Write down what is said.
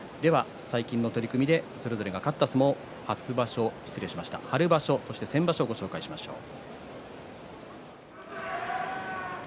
最近の取組でそれぞれが勝った相撲春場所と先場所をご紹介しましょう。